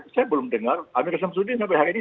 saya belum dengar amir samsuddin sampai hari ini